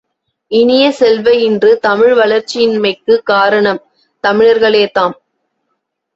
இனிய செல்வ, இன்று தமிழ் வளர்ச்சியின்மைக்குக் காரணம் தமிழர்களே தாம்.